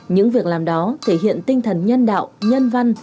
những việc làm đó thể hiện tinh thần nhân đạo nhân văn